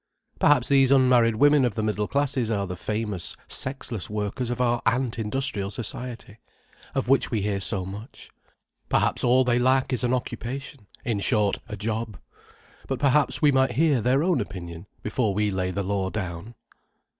Perhaps these unmarried women of the middle classes are the famous sexless workers of our ant industrial society, of which we hear so much. Perhaps all they lack is an occupation: in short, a job. But perhaps we might hear their own opinion, before we lay the law down.